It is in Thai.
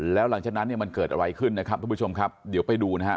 แล้วหลังจากนั้นเนี่ยมันเกิดอะไรขึ้นนะครับทุกผู้ชมครับเดี๋ยวไปดูนะฮะ